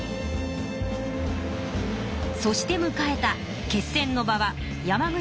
そしてむかえた決戦の場は山口県壇ノ浦。